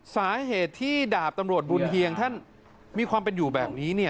สาเหตุที่ดาบตำรวจบุญเฮียงท่านมีความเป็นอยู่แบบนี้